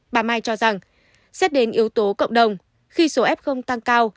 bà mai cho rằng xét đến yếu tố cộng đồng khi số f tăng cao